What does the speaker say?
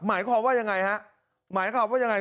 หมายความว่ายังไงฮะหมายความว่ายังไง